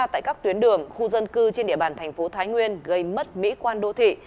tại các tuyến đường khu dân cư trên địa bàn tp thái nguyên gây mất mỹ quan đô thị